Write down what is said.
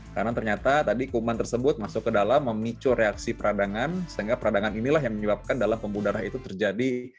karena ternyata tadi kuman tersebut masuk ke dalam memicu reaksi peradangan sehingga peradangan inilah yang menyebabkan dalam pemudara itu terjadi